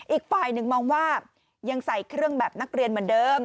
อีกฝ่ายหนึ่งมองว่ายังใส่เครื่องแบบนักเรียนเหมือนเดิม